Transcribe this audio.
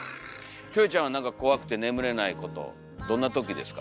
キョエちゃんは怖くて眠れないことどんなときですか？